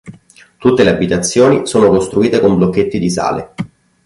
Tutte le abitazioni sono costruite con "blocchetti di sale".